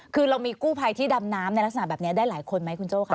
คือเรามีกู้ภัยที่ดำน้ำในลักษณะแบบนี้ได้หลายคนไหมคุณโจ้ค่ะ